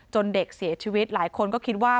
เด็กเสียชีวิตหลายคนก็คิดว่า